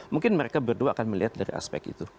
mungkin mereka berdua akan melihat dari aspek itu